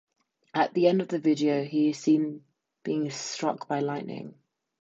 At the end of the video he is seen being struck by lightning.